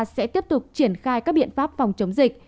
sẽ tiếp tục triển khai các biện pháp phòng chống dịch